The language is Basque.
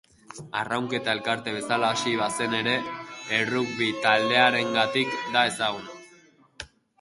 Arraunketa elkarte bezala hasi bazen ere errugbi taldearengatik da ezaguna.